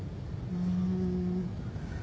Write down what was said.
うん。